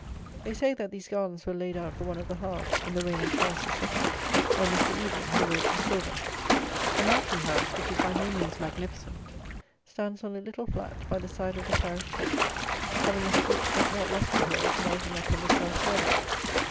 They say that these gardens were laid out for one of the Howards, in the reign of Charles the Second, by Mr. Evelyn, who wrote the Sylva. The mansion house, which is by no means magnificent, stands on a little flat by the side of the parish church, having a steep, but not lofty, hill rising up on the south side of it.